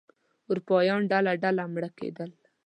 اروپایان ډله ډله مړه کېدل.